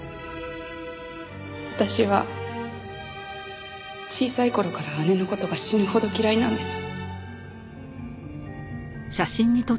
私は小さい頃から姉の事が死ぬほど嫌いなんです。